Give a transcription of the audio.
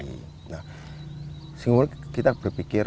sehingga kita berpikir